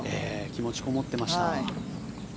気持ちがこもっていました。